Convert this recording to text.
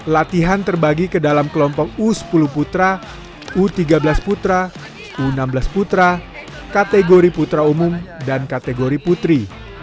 latihan terbagi ke dalam kelompok u sepuluh putra u tiga belas putra u enam belas putra kategori putra umum dan kategori putri